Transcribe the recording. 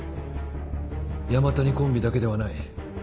山谷コンビだけではない。